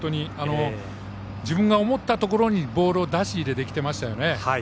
自分が思ったところにボールを出し入れできてましたね。